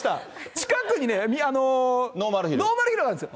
近くにね、ノーマルヒルがあるんですよ。